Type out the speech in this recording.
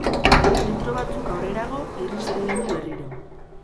Metro batzu aurrerago irrist egin du berriro.